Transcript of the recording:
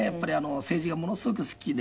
政治がものすごく好きで。